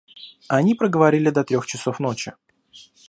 Они проговорили до трех часов ночи.